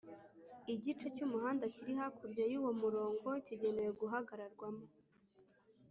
Igice cy'umuhanda kiri hakurya y'uwo murongo kigenewe guhagararwamo